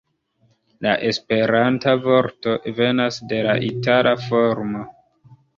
La Esperanta vorto venas de la itala formo.